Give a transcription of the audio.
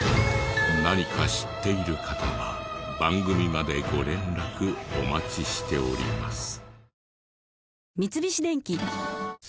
何か知っている方は番組までご連絡お待ちしております。